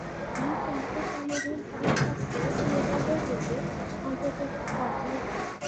তিনি ফ্রান্সে জন্মগ্রহণ করার সত্ত্বেও, সেনেগালের হতে আন্তর্জাতিক পর্যায়ে খেলেন।